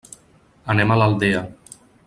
Anem a l'Aldea.